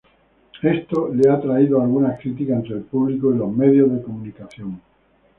Esto le ha traído algunas críticas entre el público y los medios de comunicación.